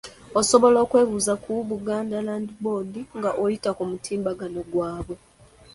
Osobola okwebuuza ku Buganda Land Board nga oyita ku mutimbagano gwabwe.